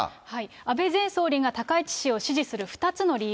安倍前総理が高市氏を支持する２つの理由。